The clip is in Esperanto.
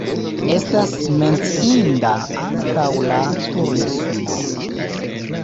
Estas menciinda ankaŭ la turismo.